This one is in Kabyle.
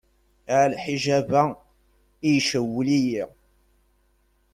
A lḥijab-a i cewwel-iyi.